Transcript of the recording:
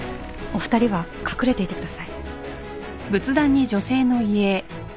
お二人は隠れていてください。